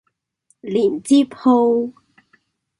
連接號